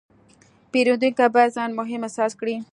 پیرودونکی باید ځان مهم احساس کړي.